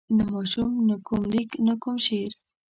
نه ماشوم نه کوم لیک نه کوم شعر.